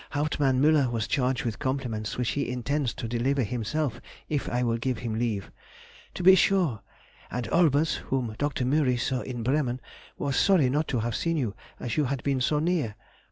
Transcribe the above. Hauptmann Müller was charged with compliments, which he intends to deliver himself if I will give him leave. To be sure! and Olbers, whom Dr. Mühry saw in Bremen, was sorry not to have seen you, as you had been so near.